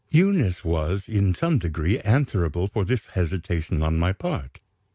Eunice was, in some degree, answerable for this hesitation on my part.